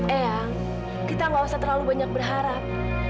eyang kita gak usah terlalu banyak berharap